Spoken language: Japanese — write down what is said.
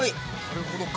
なるほど。